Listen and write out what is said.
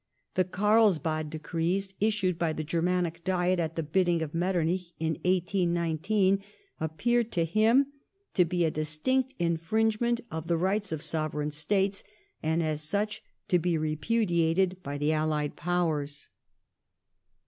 The Carlsbad Decrees issued by the Germanic Diet at the bidding of Metternich in 1819 appeared to him to be a distinct infringement of the rights of Sovereign States, and as such to be repudiated by the allied Powei*s.